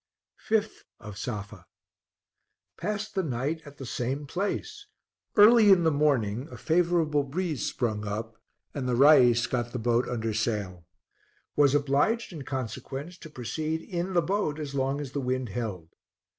5th of Safa. Passed the night at the same place; early in, the morning a favorable breeze sprung up and the Rais got the boat under sail. Was obliged, in consequence, to proceed in the boat as long as the wind held.